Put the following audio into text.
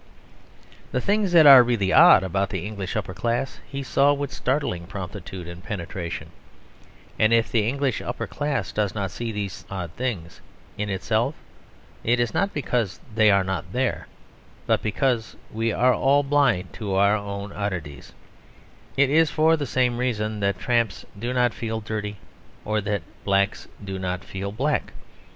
The things that are really odd about the English upper class he saw with startling promptitude and penetration, and if the English upper class does not see these odd things in itself, it is not because they are not there, but because we are all blind to our own oddities; it is for the same reason that tramps do not feel dirty, or that niggers do not feel black.